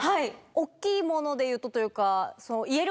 大っきいもので言うとというか。